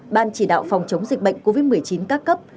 ban chỉ đạo phòng chống dịch bệnh covid một mươi chín các cấp